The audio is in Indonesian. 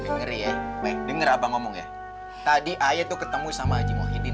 ngeri ya weh denger abang ngomong ya tadi ayah tuh ketemu sama haji muhyiddin